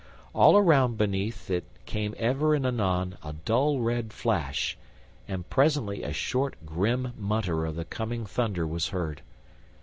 All around beneath it came ever and anon a dull red flash, and presently a short grim mutter of the coming thunder was heard.